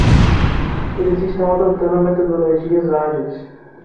Eles estão adotando metodologias ágeis.